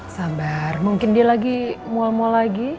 sabar mungkin dia lagi mual mual lagi